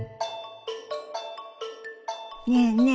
ねえねえ